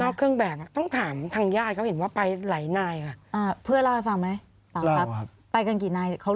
นอกเครื่องแบบต้องถามทางญาติเขาเห็นว่าไปหลายนายค่ะ